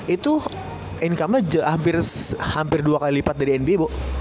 itu income nya hampir dua kali lipat dari nba